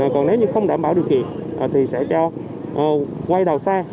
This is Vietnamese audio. còn nếu như không đảm bảo điều kiện thì sẽ cho quay đầu xa